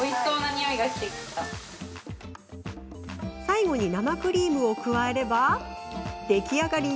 最後に生クリームを加えれば出来上がり。